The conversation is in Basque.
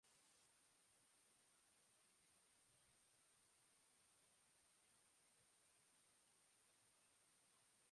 Bertan, aurpegia gorrituta eta lepoan urradurak zituen emakumezko bat aurkitu dute.